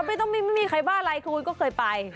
ไม่ต้องไม่มีใครบ้าอะไรคุณก็เคยไป